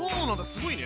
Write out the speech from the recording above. すごいね。